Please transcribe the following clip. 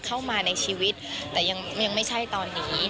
เข้ามาในชีวิตแต่ยังไม่ใช่ตอนนี้